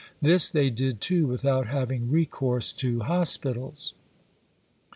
This they did, too, without having recourse to hospitals.